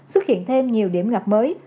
xuất hiện thêm nhiều điểm ngập mới